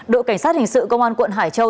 đội cảnh sát hình sự công an quận hải châu